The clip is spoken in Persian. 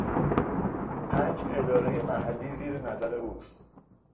پنج ادارهی محلی زیر نظر اوست.